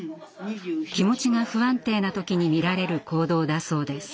気持ちが不安定な時に見られる行動だそうです。